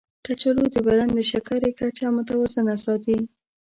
کچالو د بدن د شکرې کچه متوازنه ساتي.